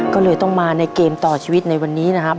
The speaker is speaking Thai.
ก็เลยต้องมาในเกมต่อชีวิตในวันนี้นะครับ